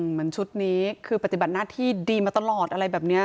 เหมือนชุดนี้คือปฏิบัติหน้าที่ดีมาตลอดอะไรแบบนี้